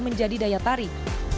menjadi daya tarik